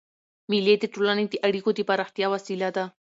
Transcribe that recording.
مېلې د ټولني د اړیکو د پراختیا وسیله ده.